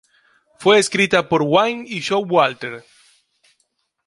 Fue escrita por Wain y Showalter.